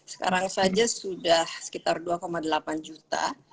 sekarang saja sudah sekitar dua delapan juta